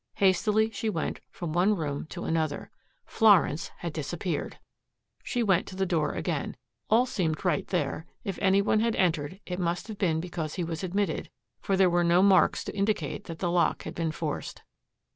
Hastily she went from one room to another. Florence had disappeared! She went to the door again. All seemed right there. If any one had entered, it must have been because he was admitted, for there were no marks to indicate that the lock had been forced.